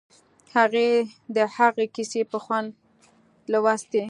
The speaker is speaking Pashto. هغې د هغه کیسې په خوند لوستې